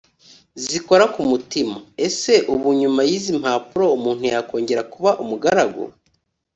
zikora ku mutima! ese ubu nyuma y’izi mpanuro, umuntu yakongera kuba umugaragu